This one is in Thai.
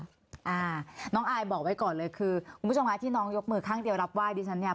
อ่าน้องอายบอกไว้ก่อนเลยคือคุณผู้ชมค่ะที่น้องยกมือข้างเดียวรับไหว้ดิฉันเนี่ย